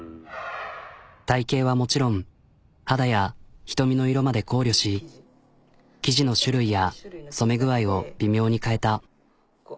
体形はもちろん肌や瞳の色まで考慮し生地の種類や染め具合を微妙に変えた。